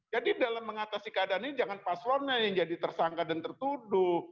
jadi dalam mengatasi keadaan ini jangan paslonnya yang jadi tersangka dan tertuduh